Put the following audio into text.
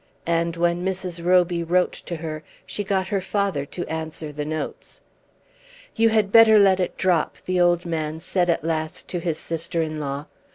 And when Mrs. Roby wrote to her, she got her father to answer the notes. "You had better let it drop," the old man said at last to his sister in law.